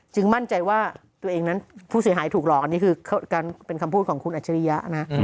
มั่นใจว่าตัวเองนั้นผู้เสียหายถูกหลอกอันนี้คือการเป็นคำพูดของคุณอัจฉริยะนะ